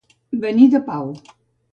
Venir de pau.